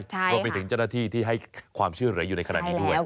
รวมไปถึงเจ้าหน้าที่ที่ให้ความช่วยเหลืออยู่ในขณะนี้ด้วย